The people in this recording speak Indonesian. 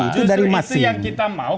justru itu yang kita mau